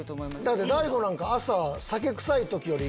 だって大悟なんか朝酒臭い時より。